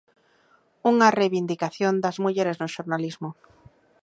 Unha reivindicación das mulleres no xornalismo.